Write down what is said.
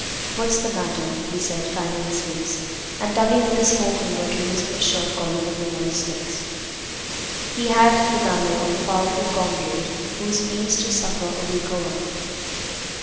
"What's the matter?" he said, fanning his face, and tugging with his forefinger to loosen his shirt collar from his moist neck. He had the manner of a powerful comrade who means to succor a weaker one.